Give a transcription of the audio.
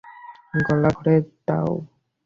গোলা ভরে দাও!